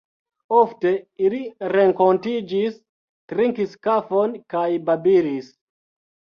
Ofte ili renkontiĝis, trinkis kafon kaj babilis.